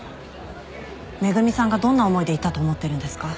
恵美さんがどんな思いでいたと思ってるんですか？